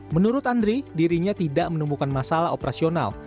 menurut andri dirinya tidak menemukan masalah operasional